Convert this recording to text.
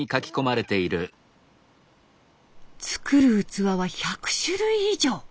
作る器は１００種類以上。